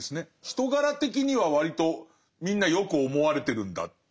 人柄的には割とみんなよく思われてるんだ。